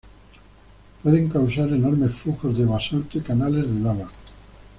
Pueden causar enormes flujos de basalto y canales de lava.